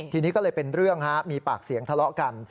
ทีนี้ก็เลยเป็นเรื่องฮะมีปากเสียงทะเลาะกัน